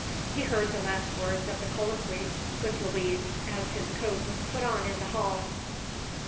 He heard the last words of the colloquy with Louise as his coat was put on in the hall.